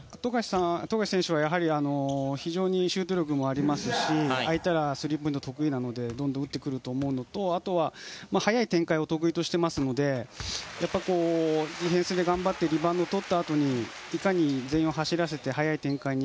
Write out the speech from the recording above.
富樫選手は非常にシュート力もありますし相手はスリーポイントが得意なのでどんどん打ってくると思うのとあとは早い展開を得意としていますのでディフェンスで頑張ってリバウンドをとったあとにいかに全員を走らせて早い展開に。